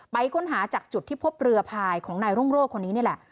ค้นหาจากจุดที่พบเรือพายของนายรุ่งโรธคนนี้นี่แหละ